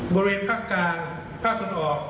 บริเวณภาคกลางภาคตะวันออก